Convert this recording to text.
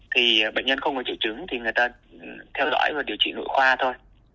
thì bệnh nhân không có triệu chứng thì người ta theo dõi và điều trị nội khoa thôi